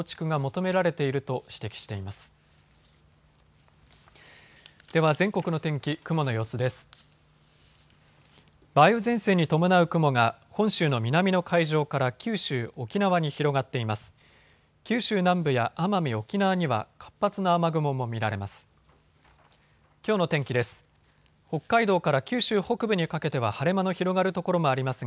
九州南部や奄美、沖縄には活発な雨雲も見られます。